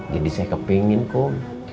jadi saya kepengen kum